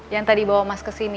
yang tadi bawa mas ke sini